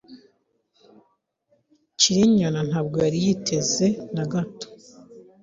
Cyrinyana ntabwo yari yiteze na gato.